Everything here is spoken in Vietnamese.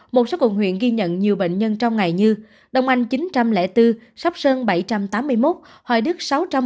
một số quận huyện ghi nhận nhiều bệnh nhân trong ngày như đông anh chín trăm linh bốn sắp sơn bảy trăm tám mươi một hoài đức sáu trăm một mươi